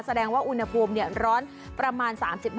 แสดงว่าอุณหภูมิร้อนประมาณ๓๕